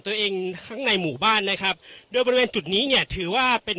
ตัวเองข้างในหมู่บ้านนะครับโดยบริเวณจุดนี้เนี่ยถือว่าเป็น